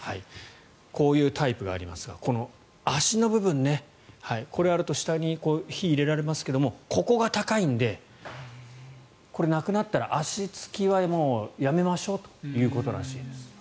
こういうタイプがありますが脚の部分ねこれがあると下に火を入れられますがここが高いのでこれがなくなったら足付きはもうやめましょうということらしいです。